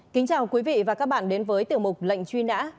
kính chào quý vị và các bạn đến với tiểu mục lệnh truy nã